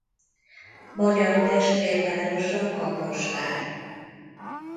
Magyar testvérvárosa Kaposvár.